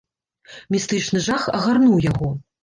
Містычны жах агарнуў яго.